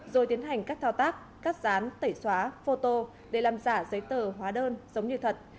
rồi tiến hành các thao tác cắt rán tẩy xóa phô tô để làm giả giấy tờ hóa đơn giống như thật